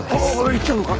行っちゃうのか？